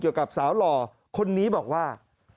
เกี่ยวกับสาวหล่อคนนี้บอกว่า